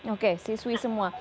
oke siswi semua